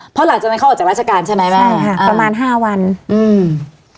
เพราะหลังจากนั้นเขาออกจากราชการใช่ไหมแม่ใช่ค่ะประมาณห้าวันอืม